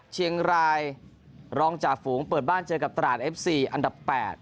เชียงรายรองจ่าฝูงเปิดบ้านเจอกับตราดเอฟซีอันดับ๘